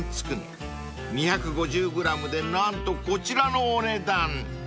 ［２５０ｇで何とこちらのお値段］